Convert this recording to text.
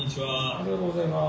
ありがとうございます。